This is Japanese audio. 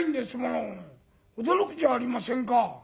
驚くじゃありませんか」。